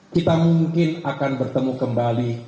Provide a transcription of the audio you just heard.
kita mungkin akan bertemu kembali